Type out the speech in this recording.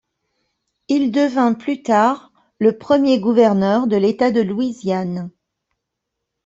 Il devint plus tard le premier gouverneur de l'État de Louisiane.